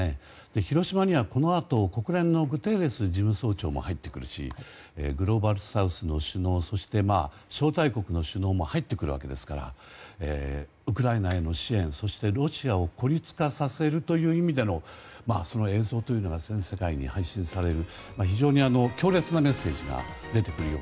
広島には、このあと国連のグテーレス事務総長も入ってくるしグローバルサウスの首脳そして、招待国の首脳も入ってくるわけですからウクライナへの支援、そしてロシアを孤立化させるという意味での映像というのが全世界に配信させる。